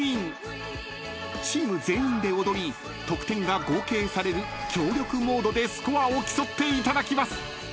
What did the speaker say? ［チーム全員で踊り得点が合計される協力モードでスコアを競っていただきます］